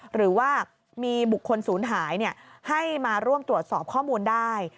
หรือว่ามีบุคคลศูนย์หายให้มาร่วมตรวจสอบข้อมูลได้